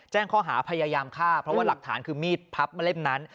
แจ้งข้อหาพยายามฆ่าเพราะว่าหลักฐานคือมีดพับมาเล่มนั้น